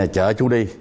chở chú đi